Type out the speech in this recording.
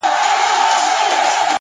د عمل نیت د پایلې کیفیت ټاکي.!